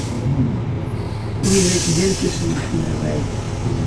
Widak d irkasen n Si Ḥmed Waɛli.